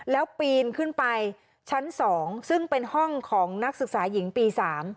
แล้วปีนขึ้นไปชั้น๒ซึ่งเป็นห้องของนักศึกษาหญิงปี๓